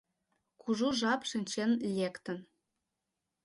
Кужу жап шинчен лектын.